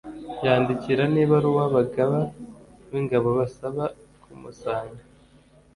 yandikira n'ibaruwa abagaba b'ingabo abasaba kumusanga